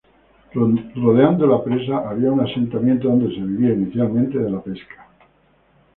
Rodeando la presa había un asentamiento donde se vivía inicialmente de la pesca.